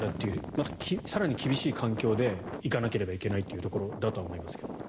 また更に厳しい環境でいかなければいけないというところだと思いますが。